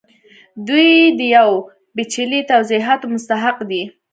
دوی د یو پیچلي توضیحاتو مستحق دي